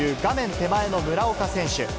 手前の村岡選手。